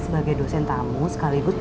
sebagai dosen tamu sekaligus